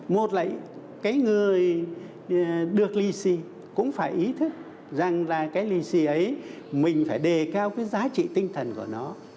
một là cái người được lì xì cũng phải ý thức rằng là cái lì xì ấy mình phải đề cao cái giá trị tinh thần của nó